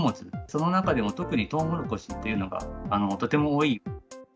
その中でも、特にトウモロコシっていうのがとても多い。